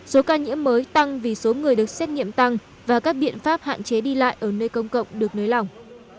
số ca nhiễm mới tăng vì số người được xét nghiệm tăng và các biện pháp hạn chế đi lại ở nơi công cộng được nới lỏng